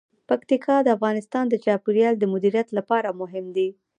پکتیکا د افغانستان د چاپیریال د مدیریت لپاره مهم دي.